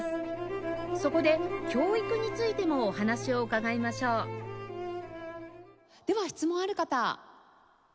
そこで教育についてもお話を伺いましょうでは質問ある方。